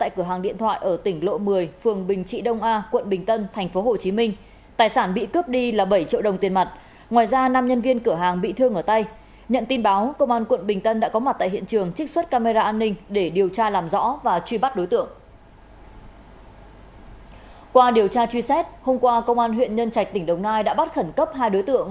qua điều tra truy xét hôm qua công an huyện nhân trạch tỉnh đồng nai đã bắt khẩn cấp hai đối tượng